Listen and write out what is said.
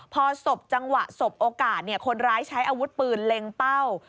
พอศพจังหวะสบโอกาสคนร้ายใช้อาวุธปืนเล็งเป้า